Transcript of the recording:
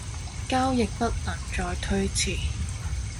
交易不能再推遲